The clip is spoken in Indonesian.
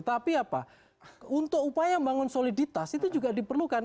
tapi apa untuk upaya membangun soliditas itu juga diperlukan